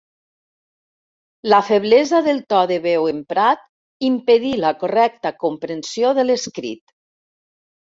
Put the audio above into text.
La feblesa del to de veu emprat impedí la correcta comprensió de l'escrit.